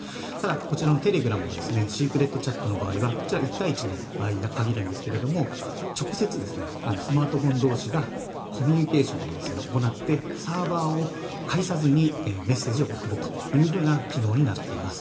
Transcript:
こちらのテレグラムのシークレットチャットの場合１対１の場合に限るんですが直接、スマートフォン同士がコミュニケーションを行ってサーバーを介さずにメッセージを送る機能になっています。